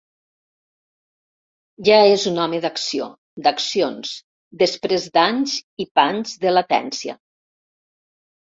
Ja és un home d'acció, d'accions, després d'anys i panys de latència.